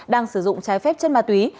đang sử dụng trái phép chân ma túy